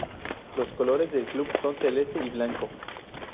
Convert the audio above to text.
Los colores del club son de celeste y blanco.